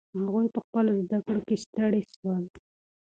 هغوی په خپلو زده کړو کې ستړي سول.